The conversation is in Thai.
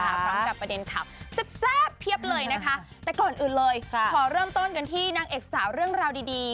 พร้อมกับประเด็นข่าวแซ่บเพียบเลยนะคะแต่ก่อนอื่นเลยขอเริ่มต้นกันที่นางเอกสาวเรื่องราวดีดี